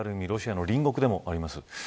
ロシアの隣国でもあります。